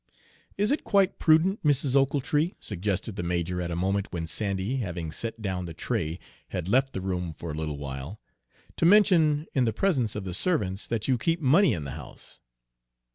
"Is it quite prudent, Mrs. Ochiltree," suggested the major at a moment when Sandy, having set down the tray, had left the room for a little while, "to mention, in the presence of the servants, that you keep money in the house?"